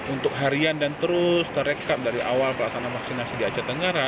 untuk harian dan terus terekam dari awal pelaksanaan vaksinasi di aceh tenggara